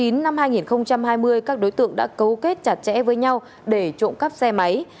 năm hai nghìn hai mươi các đối tượng đã cấu kết chặt chẽ với nhau để trộm cắp xe máy